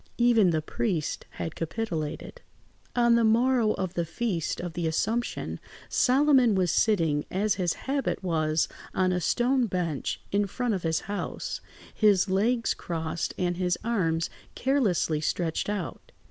Even the priest had capitulated. On the morrow of the Feast of the Assumption, Solomon was sitting, as his habit was, on a stone bench in front of his house, his legs crossed and his arms carelessly stretched out.